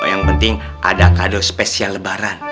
yang penting ada kado spesial lebaran